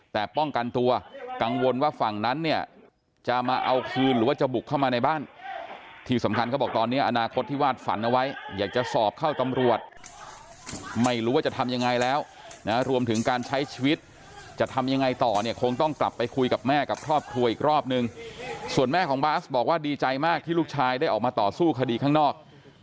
แต่ป้องกันตัวกังวลว่าฝั่งนั้นเนี่ยจะมาเอาคืนหรือว่าจะบุกเข้ามาในบ้านที่สำคัญเขาบอกตอนนี้อนาคตที่วาดฝันเอาไว้อยากจะสอบเข้าตำรวจไม่รู้ว่าจะทำยังไงแล้วนะรวมถึงการใช้ชีวิตจะทำยังไงต่อเนี่ยคงต้องกลับไปคุยกับแม่กับครอบครัวอีกรอบนึงส่วนแม่ของบาสบอกว่าดีใจมากที่ลูกชายได้ออกมาต่อสู้คดีข้างนอก